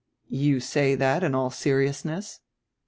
"You say that in all seriousness?"